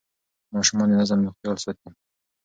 ماشومان د نظم خیال ساتي.